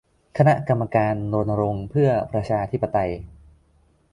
คณะกรรมการรณรงค์เพื่อประชาธิปไตย